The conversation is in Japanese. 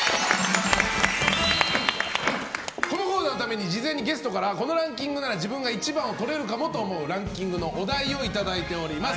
このコーナーのために事前にゲストからこのランキングなら自分が１番をとれるかもと思うランキングのお題をいただいております。